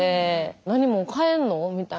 なにもう帰んの？みたいな。